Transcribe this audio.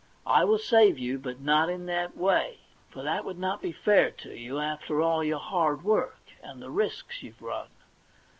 I will save you, but not in that way ; for that would not be fair to you, after your hard work, and the risks you've run.